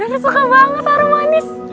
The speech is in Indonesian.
rana suka banget harum manis